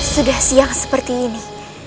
sudah siang seperti ini